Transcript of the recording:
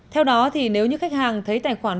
theo đó nếu như khách hàng thấy tài khoản